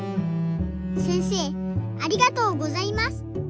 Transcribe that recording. せんせいありがとうございます。